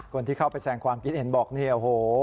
คนที่เข้าไปแสงความคิดเห็นบอกเนี่ยโอ้โห